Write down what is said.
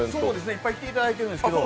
いっぱい来ていただいているんですけど